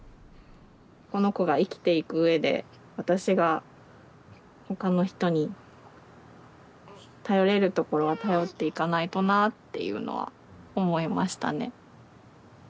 この子が生きていくうえで私が他の人に頼れるところは頼っていかないとなっていうのは思いましたね。